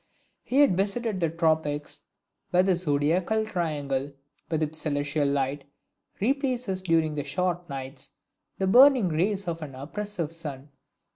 He had visited the tropics, where the zodiacal triangle, with its celestial light, replaces, during the short nights, the burning rays of an oppressive sun.